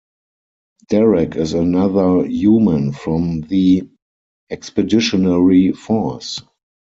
Derek is another human from the expeditionary force.